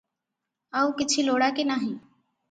ଆଉକିଛି ଲୋଡ଼ା କି ନାହିଁ